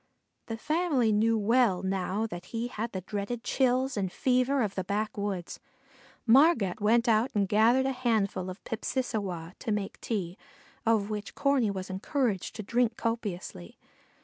The family knew well now that he had the dreaded chills and fever of the backwoods. Margat went out and gathered a lapful of pipsissewa to make tea, of which Corney was encouraged to drink copiously.